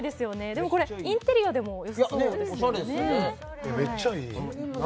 でもこれインテリアでもよさそうですよねおしゃれですよね